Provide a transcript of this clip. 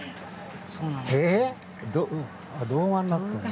あ、動画になってるんだ。